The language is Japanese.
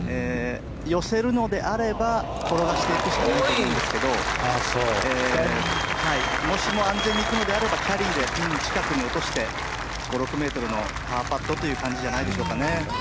寄せるのであれば転がしていくしかないと思うんですけどもしも安全に行くのであればキャリーで近くに落として５６ｍのパーパットという感じじゃないでしょうかね。